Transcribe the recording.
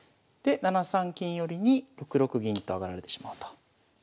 で７三金寄に６六銀と上がられてしまうと。